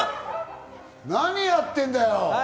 何やってんだよ！